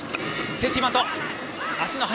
セーフティーバント。